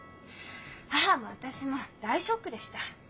母も私も大ショックでした。